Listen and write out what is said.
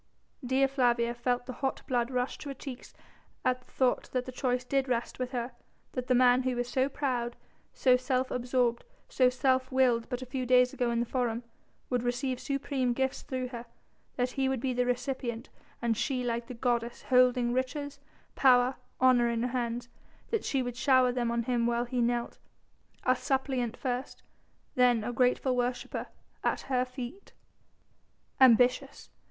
Dea Flavia felt the hot blood rush to her cheeks at thought that the choice did rest with her, that the man who was so proud, so self absorbed, so self willed but a few days ago in the Forum, would receive supreme gifts through her; that he would be the recipient and she, like the goddess holding riches, power, honour in her hands; that she would shower them on him while he knelt a suppliant first, then a grateful worshipper at her feet. Ambitious?